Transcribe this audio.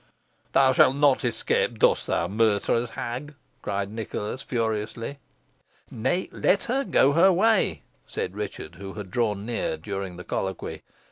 "Thou shalt not 'scape thus, thou murtherous hag," cried Nicholas, furiously. "Nay, let her go her way," said Richard, who had drawn near during the colloquy.